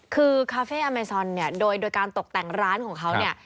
คือคาเฟ่อเมซอนเนี่ยโดยการตกแต่งร้านของเขาเนี่ย